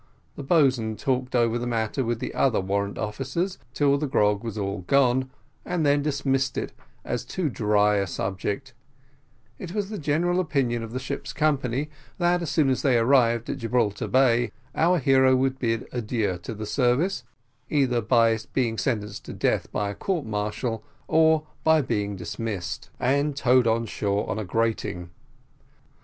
The boatswain talked over the matter with the other warrant officers, till the grog was all gone, and then dismissed it as too dry a subject: and it was the general opinion of the ship's company, that as soon as they arrived at Gibraltar Bay, our hero would bid adieu to the service, either by being sentenced to death by a court martial, or by being dismissed, and towed on shore on a grating.